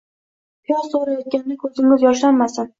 Piyoz to'g'rayotganda ko'zingiz yoshlanmasin.